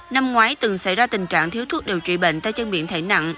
năm ngoái từng xảy ra tình trạng thiếu thuốc điều trị bệnh tay chân miệng thảy nặng